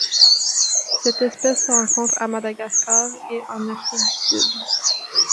Cette espèce se rencontre à Madagascar et en Afrique du Sud.